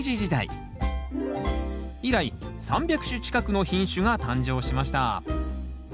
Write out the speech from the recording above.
以来３００種近くの品種が誕生しました